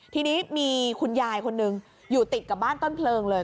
ทีนี้มีคุณยายคนหนึ่งอยู่ติดกับบ้านต้นเพลิงเลย